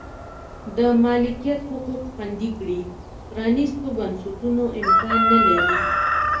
د مالکیت حقوق خوندي کړي پرانیستو بنسټونو امکان نه لري.